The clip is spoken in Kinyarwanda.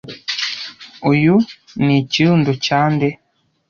Uyu ni ikirundo cya nde?